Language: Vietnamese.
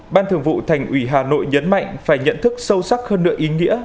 ban thường vụ thành ủy hà nội nhấn mạnh phải nhận thức sâu sắc hơn nữa ý nghĩa